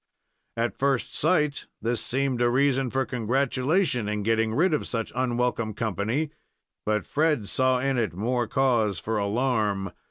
At first sight this seemed a reason for congratulation in getting rid of such unwelcome company; but Fred saw in it more cause for alarm.